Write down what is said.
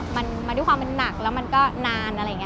มาด้วยความหนักและมันก็นาน